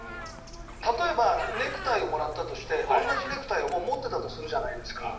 例えばネクタイをもらったとして同じネクタイをもう持ってたとするじゃないですか。